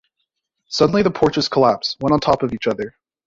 Suddenly the porches collapse, one on top of each other.